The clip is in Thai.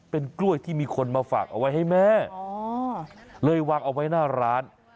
เป็นกล้วยที่มีคนมาฝากเอาไว้ให้แม่เลยวางเอาไว้หน้าร้าน